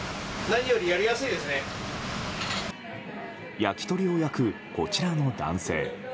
焼き鳥を焼くこちらの男性。